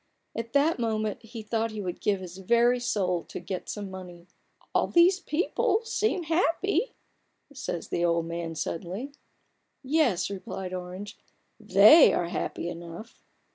At that moment he thought he would give his very soul to get some money, " All these people seem happy," says the old man, suddenly. "Yes," replied Orange. "They are happy enough